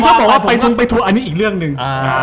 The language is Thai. คุณก็บอกว่าไปทุงอันนี้อีกเรื่องหนึ่ง